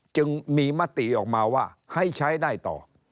จึงมีมติออกมาว่าให้ใช้ได้ต่อ